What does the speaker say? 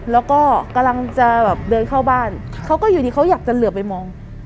แล้วก็กำลังจะแบบเดินเข้าบ้านเขาก็อยู่ดีเขาอยากจะเหลือไปมอง